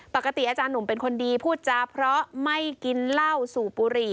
ปกติอาจารย์หนุ่มเป็นคนดีพูดจาเพราะไม่กินเหล้าสูบบุหรี่